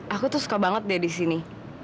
aku tuh suka banget deh disini